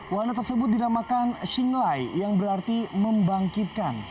wahana tersebut dinamakan xinglai yang berarti membangkitkan